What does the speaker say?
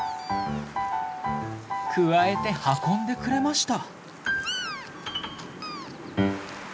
くわえて運んでくれました。